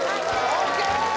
ＯＫ！